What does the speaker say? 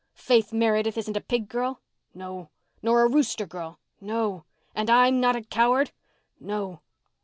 "Faith Meredith isn't a pig girl?" "No." "Nor a rooster girl?" "No." "And I'm not a coward?" "No."